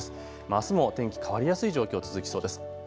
あすも天気変わりやすい状況続きそうです。